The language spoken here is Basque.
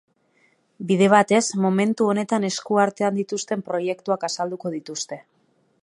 Bide batez, momentu honetan esku artean dituzten proiektuak azalduko dituzte.